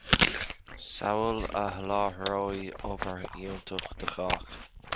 samhail a sholáthróidh obair fhiúntach do chách